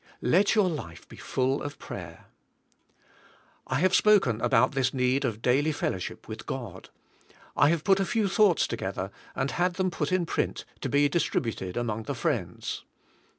Let your life be full of prayer. I have spoken about this need of daily fellowship with God. I have put a few thoughts together and had them put in print to be distributed among the friends.